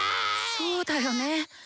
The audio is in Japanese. そうだよね。